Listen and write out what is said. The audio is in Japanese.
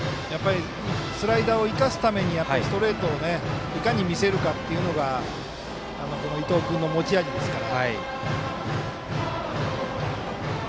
スライダーを生かすためにストレートをいかに見せるかっていうのがこの伊藤君の持ち味ですから。